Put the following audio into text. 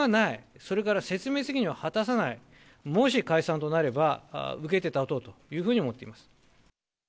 それから説明責任を果たさない、もし解散となれば、受けて立とうというふうに思っています。